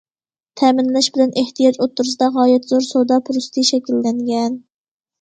تەمىنلەش بىلەن ئېھتىياج ئوتتۇرىسىدا غايەت زور سودا پۇرسىتى شەكىللەنگەن.